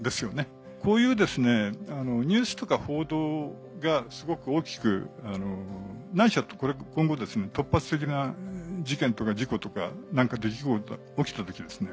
こういうニュースとか報道がすごく大きくないしは今後突発的な事件とか事故とか何か出来事が起きた時にですね